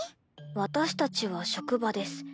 「私たちは職場です。